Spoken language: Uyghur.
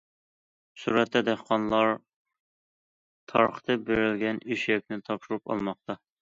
سۈرەتتە: دېھقانلار تارقىتىپ بېرىلگەن ئېشەكنى تاپشۇرۇپ ئالماقتا.